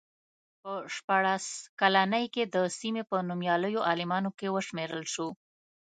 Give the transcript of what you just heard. په شپاړس کلنۍ کې د سیمې په نومیالیو عالمانو کې وشمېرل شو.